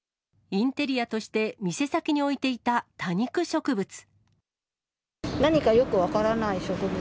インテリアとして店先に置いていた多肉植物。